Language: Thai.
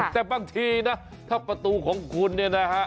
แต่บางทีนะถ้าประตูของคุณเนี่ยนะฮะ